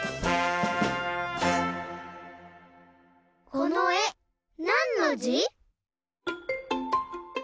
このえなんのじ？